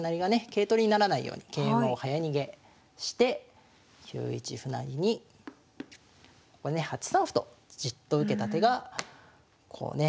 桂取りにならないように桂馬を早逃げして９一歩成に８三歩とじっと受けた手がこうね